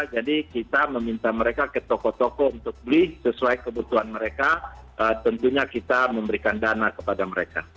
jadi kita meminta mereka ke toko toko untuk beli sesuai kebutuhan mereka tentunya kita memberikan dana kepada mereka